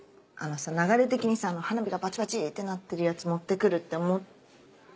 流れ的にさ花火がバチバチってなってるやつ持って来るって思った？